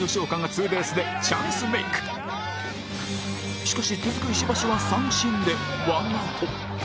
しかし続く石橋は三振でワンアウト